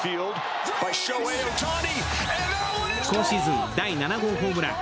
今シーズン第７号ホームラン。